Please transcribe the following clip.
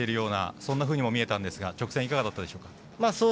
そんなふうにも見えたんですが直線いかがだったでしょうか？